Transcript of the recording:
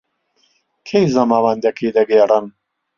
کەی زەماوەندەکەی دەگێڕن؟